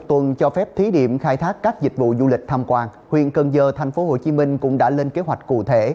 sau một tuần cho phép thí điểm khai thác các dịch vụ du lịch tham quan huyện cần dơ tp hcm cũng đã lên kế hoạch cụ thể